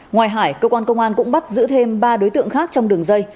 ngoài hải cơ quan công an cũng bắt giữ thêm ba đối tượng khác trong đường dây